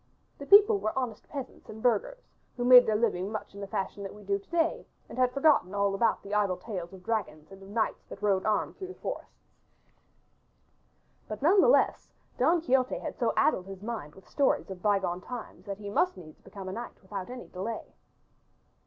The people were honest peasants and burghers who made their living much in the fashion that we do to day, and had forgotten all about the idle tales of dragons and of knights that rode armed through the forests. But none the less Don Quixote had so addled his mind with stories of bygone times that he must needs become a knight without any delay.